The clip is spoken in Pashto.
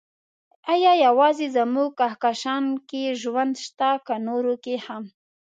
ايا يوازې زموږ کهکشان کې ژوند شته، که نورو کې هم؟